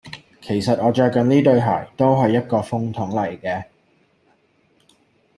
其實我著緊呢對鞋，都係一個風筒嚟嘅